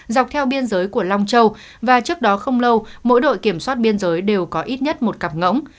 dọc theo biên giới của long châu và trước đó không lâu mỗi đội kiểm soát biên giới đều có ít nhất một cặp ngỗng